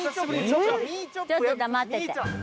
ちょっと黙ってて。